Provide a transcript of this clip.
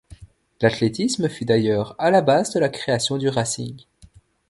L'athlétisme fut d'ailleurs à la base de la création du Racing.